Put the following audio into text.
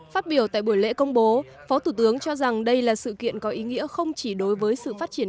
phát biểu tại buổi lễ công bố phó thủ tướng cho rằng đây là sự kiện có ý nghĩa không chỉ đối với sự phát triển